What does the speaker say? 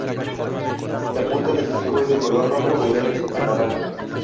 La punta del pico es de color rojo brillante a naranja.